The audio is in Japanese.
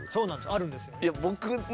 あるんですよ。